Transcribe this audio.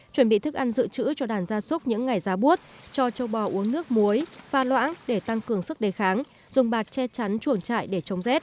chuẩn bị thức ăn dự trữ cho đàn gia súc những ngày ra buốt cho trâu bò uống nước muối pha loãng để tăng cường sức đề kháng dùng bạt che chắn chuồng chạy để chống dết